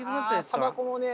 ああタバコもね。